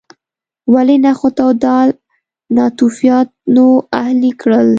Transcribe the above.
ولې نخود او دال ناتوفیانو اهلي کړل.